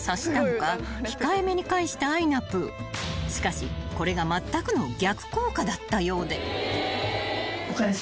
［しかしこれがまったくの逆効果だったようで］